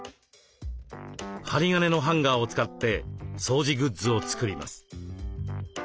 針金のハンガーを使って掃除グッズを作ります。